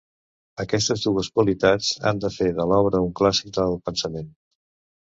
Aquestes dues qualitats han de fer de l'obra un clàssic del pensament.